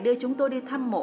đưa chúng tôi đi thăm mộ